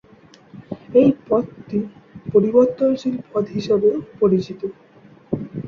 এই পদটি "পরিবর্তনশীল পদ" হিসাবেও পরিচিত।